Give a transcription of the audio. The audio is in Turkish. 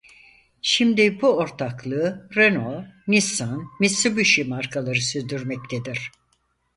Şimdi bu ortaklığı Renault-Nissan-Mitsubishi markaları sürdürmektedir.